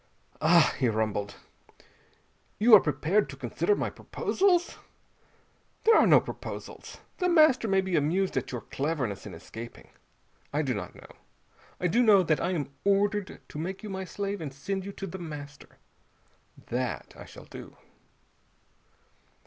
"Ah!" he rumbled. "You are prepared to consider my proposals. There are no proposals. The Master may be amused at your cleverness in escaping. I do not know. I do know that I am ordered to make you my slave and send you to The Master. That, I shall do."